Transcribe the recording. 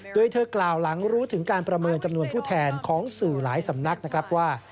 โดยเธอกล่าวหลังรู้ถึงการประเมินจำนวนผู้แทนของสื่อหลายสำนักนะครับว่า